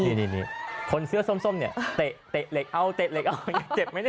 คนนี้คนเสื้อส้มเนี่ยเตะเหล็กเอาเจ็บไหม